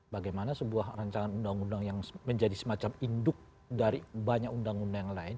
bagaimana sebuah rancangan undang undang yang menjadi semacam induk dari banyak undang undang yang lain